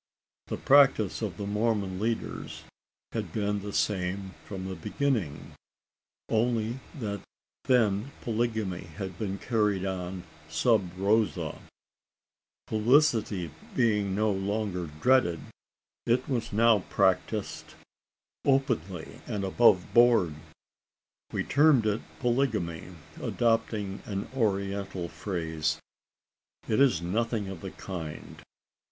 The practice of the Mormon leaders had been the same from the beginning; only that then polygamy had been carried on sub rosa. Publicity being no longer dreaded, it was now practised "openly and above board." We term it polygamy adopting an oriental phrase. It is nothing of the kind.